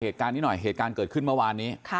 เหตุการณ์นี้หน่อยเหตุการณ์เกิดขึ้นเมื่อวานนี้